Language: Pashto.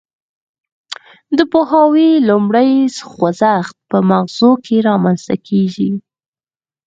د پوهاوي لومړی خوځښت په مغزو کې رامنځته کیږي